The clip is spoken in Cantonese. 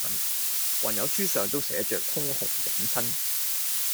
還有書上都寫着，通紅斬新！」